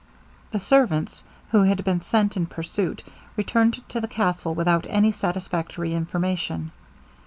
The servants, who had been sent in pursuit, returned to the castle without any satisfactory information.